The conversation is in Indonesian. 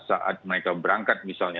saat mereka berangkat misalnya